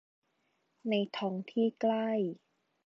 ในท้องที่ใกล้